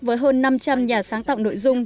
với hơn năm trăm linh nhà sáng tạo nội dung